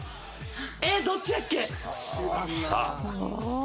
えっどっちやっけ？さあ。